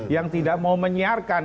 yang tidak mau menyiarkan